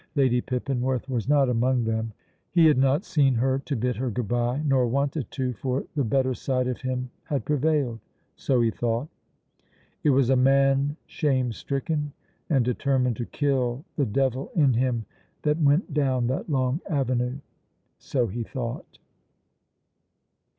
Lady Pippinworth was not among them; he had not seen her to bid her good bye, nor wanted to, for the better side of him had prevailed so he thought. It was a man shame stricken and determined to kill the devil in him that went down that long avenue so he thought.